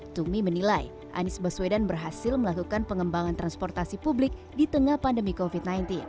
tumi menilai anies baswedan berhasil melakukan pengembangan transportasi publik di tengah pandemi covid sembilan belas